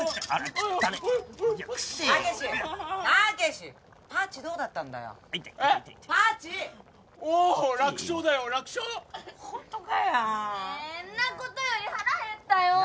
ねぇんなことより腹減ったよぉ。